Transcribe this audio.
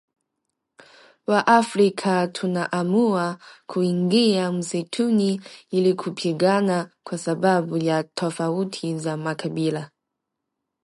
Waafrika tunaamua kuingia msituni ili kupigana kwa sababu ya tofauti za makabila